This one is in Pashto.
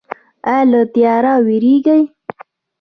ایا له تیاره ویریږئ؟